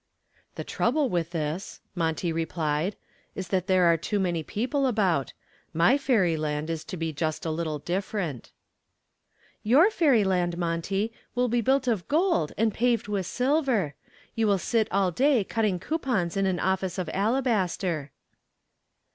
"The trouble with this," Monty replied, "is that there are too many people about. My fairyland is to be just a little different." "Your fairyland, Monty, will be built of gold and paved with silver. You will sit all day cutting coupons in an office of alabaster."